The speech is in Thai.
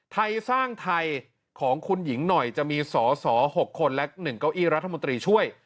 ไทยสร้างไทยของคุณหญิงหน่อยจะมีสอสอ๖คนและ๑เก้าอี้รัฐมนตรีช่วย